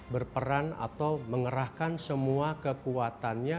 berperan atau mengerahkan semua kekuatannya